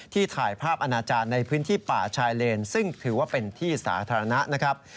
ถ่ายภาพอาณาจารย์ในพื้นที่ป่าชายเลนซึ่งถือว่าเป็นที่สาธารณะนะครับ